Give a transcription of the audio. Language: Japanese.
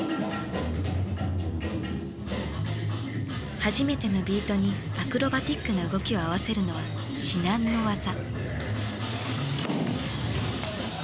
初めてのビートにアクロバティックな動きを合わせるのは至難のワザ。